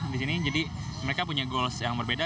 disini jadi mereka punya goals yang berbeda